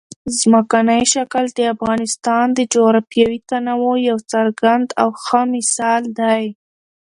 ځمکنی شکل د افغانستان د جغرافیوي تنوع یو څرګند او ښه مثال دی.